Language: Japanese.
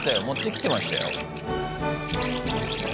持ってきてましたよ。